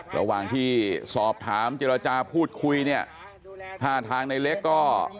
ระหว่างที่สอบถามเจรจาพูดคุยเนี่ยท่าทางในเล็กก็